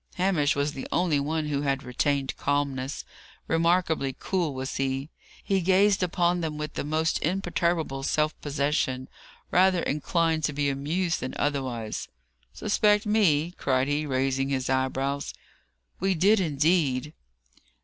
Hamish was the only one who had retained calmness. Remarkably cool was he. He gazed upon them with the most imperturbable self possession rather inclined to be amused than otherwise. "Suspect me!" cried he, raising his eyebrows. "We did, indeed!"